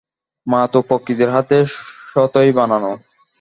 মা তো প্রকৃতির হাতে স্বতই বানানো।